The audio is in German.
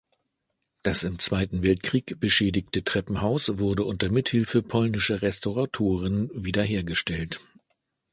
Das im Zweiten Weltkrieg beschädigte Treppenhaus wurde unter Mithilfe polnischer Restauratoren wiederhergestellt.